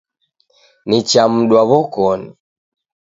Nichamdwa w'okoni.